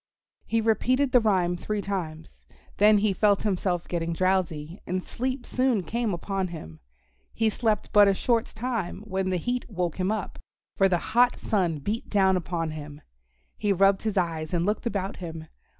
He repeated the rhyme three times. Then he felt himself getting drowsy and sleep soon came upon him. He slept but a short time when the heat woke him up, for the hot sun beat down upon him. He rubbed his eyes and looked about him.